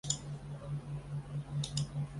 叙里勒孔塔勒。